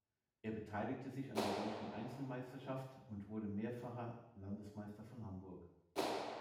Er beteiligte sich an der deutschen Einzelmeisterschaft und wurde mehrfacher Landesmeister von Hamburg.